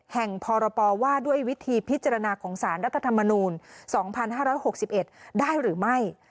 แห่งพรปว่าด้วยวิธีพิจารณาของสารรัฐธรรมนูล๒๕๖๑ได้หรือไม่